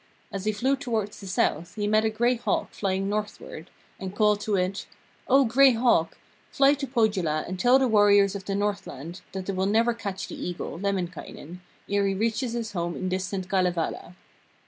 As he flew towards the south he met a gray hawk flying northward, and called to it: 'O Gray Hawk, fly to Pohjola and tell the warriors of the Northland that they will never catch the Eagle, Lemminkainen, ere he reaches his home in distant Kalevala.'